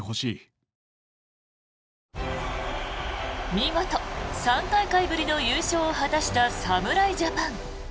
見事、３大会ぶりの優勝を果たした侍ジャパン。